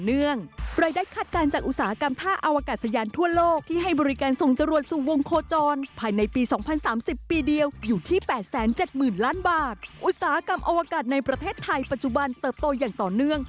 อุตสาหกรรมอวกาศในประเทศไทยปัจจุบันเติบโตอย่างต่อเนื่อง